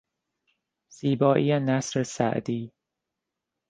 زیبایی نثر سعدی